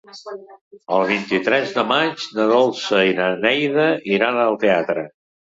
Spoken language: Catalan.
El vint-i-tres de maig na Dolça i na Neida iran al teatre.